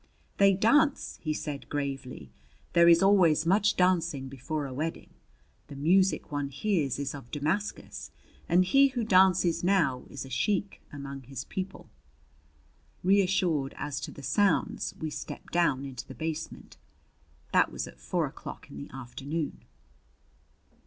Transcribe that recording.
"They dance," he said gravely. "There is always much dancing before a wedding. The music one hears is of Damascus and he who dances now is a sheik among his people." Reassured as to the sounds, we stepped down into the basement. That was at four o'clock in the afternoon.